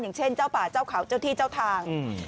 อย่างเช่นเจ้าป่าเจ้าเขาเจ้าที่เจ้าทาง